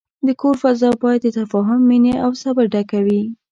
د کور فضا باید د تفاهم، مینې، او صبر ډکه وي.